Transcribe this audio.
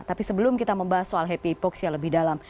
tapi sebelum kita membahas soal happy hypoxia lebih dalam